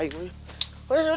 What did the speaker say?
selamat pergi biarkan